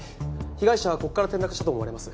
被害者はここから転落したと思われます。